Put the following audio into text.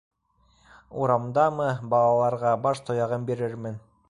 Урамдамы балаларға Баш-тояғын бирермен